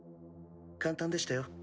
簡単でしたよ